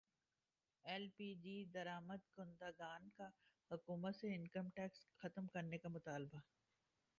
L پی جی درامد کنندگان کا حکومت سے انکم ٹیکس ختم کرنے کا مطالبہ